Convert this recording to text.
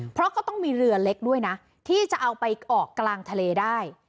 เพราะก็ต้องมีเรือเล็กด้วยนะที่จะเอาไปออกกลางทะเลได้